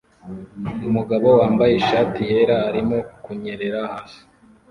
Umugabo wambaye ishati yera arimo kunyerera hasi